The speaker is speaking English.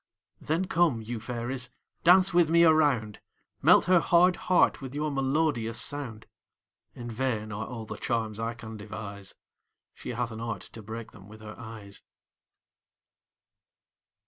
Then come, you fairies, dance with me a round; Melt her hard heart with your melodious sound. In vain are all the charms I can devise; She hath an art to break them with her eyes.